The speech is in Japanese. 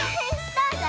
どうぞ。